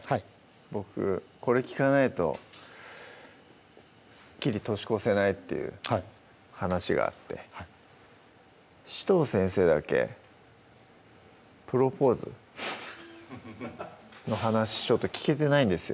僕これ聞かないとすっきり年越せないっていう話があって紫藤先生だけプロポーズフフッの話ちょっと聞けてないんですよ